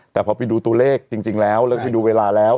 แต่พอไปดูตัวเลขจริงแล้วแล้วก็ไปดูเวลาแล้ว